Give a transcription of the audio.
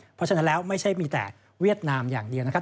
เพราะฉะนั้นแล้วไม่ใช่มีแต่เวียดนามอย่างเดียวนะครับ